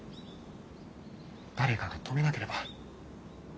誰かが止めなければ。